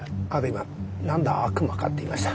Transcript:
今「何だ悪魔か」って言いました？